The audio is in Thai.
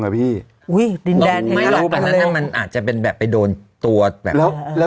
อันนั้นมันอาจจะเป็นแบบไปโดนตัว